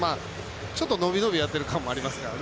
ちょっと伸び伸びやってる感じもありますからね。